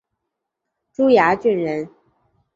珠崖郡人。